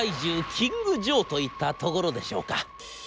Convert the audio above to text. キングジョーといったところでしょうか。